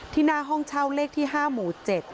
หน้าห้องเช่าเลขที่๕หมู่๗